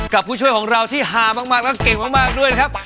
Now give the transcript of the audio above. ผู้ช่วยของเราที่ฮามากและเก่งมากด้วยนะครับ